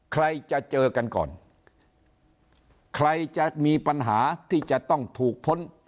ใครจะเจอกันก่อนใครจะมีปัญหาที่จะต้องถูกพ้น